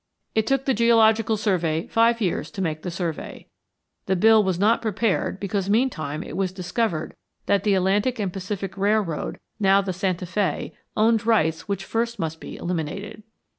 It took the Geological Survey five years to make the survey. The bill was not prepared because meantime it was discovered that the Atlantic and Pacific Railroad, now the Santa Fé, owned rights which first must be eliminated.